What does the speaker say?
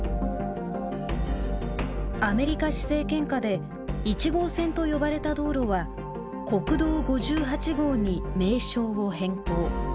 アメリカ施政権下で１号線と呼ばれた道路は「国道５８号」に名称を変更。